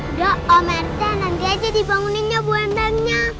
udah om rt nanti aja dibanguninnya bu endangnya